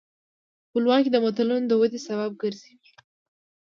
خپلواکي د ملتونو د ودې سبب ګرځي.